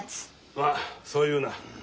まあそう言うな。